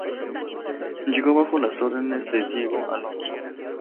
Llegó bajo las órdenes de Diego Alonso.